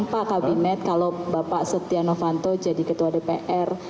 pak kabinet kalau bapak setia novanto jadi ketua dpr